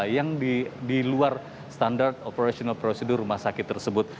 yang di luar standar operasional prosedur rumah sakit tersebut